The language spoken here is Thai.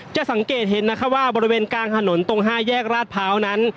จะสังเกตเห็นนะคะว่าบริเวณกลางถนนตรง๕แยกราชพร้าวนั้น